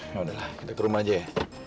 yaudahlah kita ke rumah aja ya